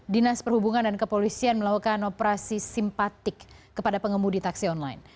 dinas perhubungan dan kepolisian melakukan operasi simpatik kepada pengemudi taksi online